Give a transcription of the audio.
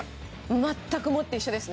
全くもって一緒ですね。